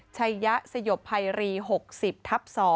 ยะสยบภัยรี๖๐ทับ๒